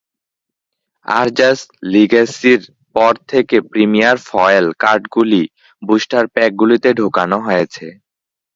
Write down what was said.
"আরজা'স লিগ্যাসি"র পর থেকে প্রিমিয়াম ফয়েল কার্ডগুলি বুস্টার প্যাকগুলিতে ঢোকানো হয়েছে।